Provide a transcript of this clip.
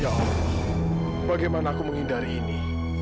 ya bagaimana aku menghindari ini